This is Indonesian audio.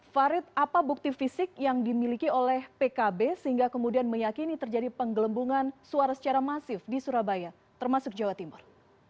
farid apa bukti fisik yang dimiliki oleh pkb sehingga kemudian meyakini terjadi penggelembungan suara secara masif di surabaya termasuk jawa timur